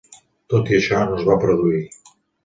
Tot i això, no es va produir.